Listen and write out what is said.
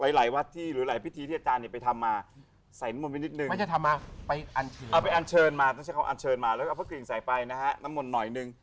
หรือเอากับพระกริงใส่ไปนะฮะน้ำไหมล์หน่อยหนึ่ง